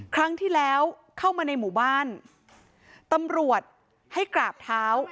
ครั้งที่แล้วเข้ามาในหมู่บ้านตำรวจให้กราบเท้า